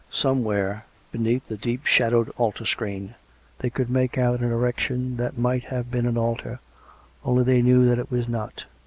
Some where, beneath the deep shadowed altar screen, they could make out an erection that might have been an altar, only they knew that it was not.